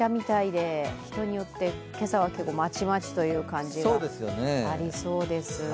人によって、今朝は結構まちまちという感じがありそうです。